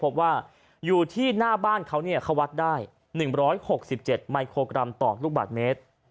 พบว่าอยู่ที่หน้าบ้านเขาเขาวัดได้๑๖๗มิโครกรัมต่อลูกบาทเมตร